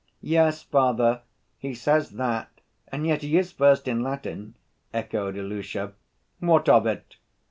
"Yes, father, he says that and yet he is first in Latin," echoed Ilusha. "What of it?"